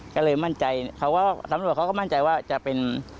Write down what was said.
ก็เลยมั่นใจเขาก็สำรวจเขาก็มั่นใจว่าจะเป็น